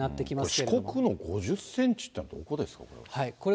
四国の５０センチっていうのはどこですか、これ。